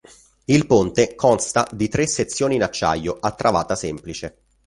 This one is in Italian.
Il ponte consta di tre sezioni in acciaio, a travata semplice.